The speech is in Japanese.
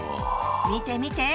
見て見て！